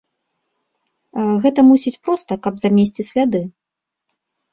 Гэта, мусіць, проста, каб замесці сляды.